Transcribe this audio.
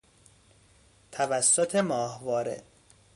توسط ماهواره